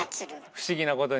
不思議なことに。